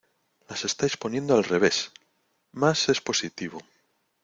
¡ Las estáis poniendo al revés! Más es positivo.